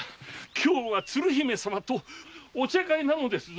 今日は鶴姫様とお茶会なのですぞ。